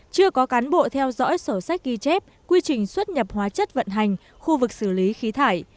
chưa có cán bộ theo dõi sổ sách ghi chép quy trình xuất nhập hóa chất vận hành khu vực xử lý khí thải